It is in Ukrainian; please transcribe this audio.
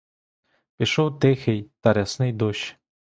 Пішов тихий та рясний дощ.